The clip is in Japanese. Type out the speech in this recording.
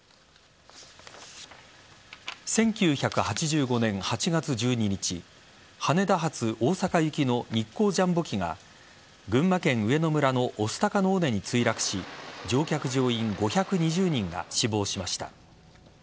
１９８５年８月１２日羽田発大阪行きの日航ジャンボ機が群馬県上野村の御巣鷹の尾根に墜落し乗客乗員５２０人が死亡しました。